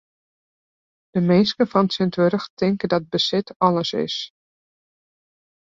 De minsken fan tsjintwurdich tinke dat besit alles is.